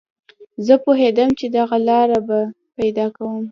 زه پوهېدم چې دغه لاره به پیدا کوم